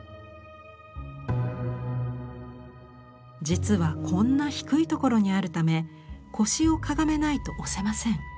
実はこんな低い所にあるため腰をかがめないと押せません。